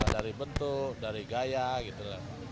dari bentuk dari gaya gitu lah